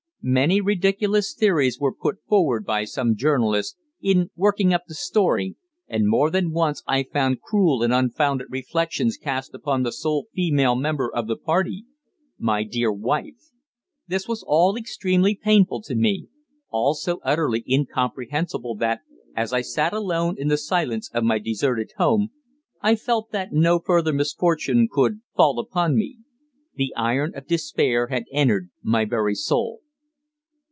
Many ridiculous theories were put forward by some journalists in working up the "story," and more than once I found cruel and unfounded reflections cast upon the sole female member of the party my dear wife. This was all extremely painful to me all so utterly incomprehensible that, as I sat alone in the silence of my deserted home, I felt that no further misfortune could fall upon me. The iron of despair had entered my very soul.